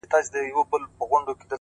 جنون د حسن پر امساء باندې راوښويدی’